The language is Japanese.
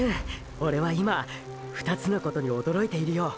オレは今２つのことに驚いているよ。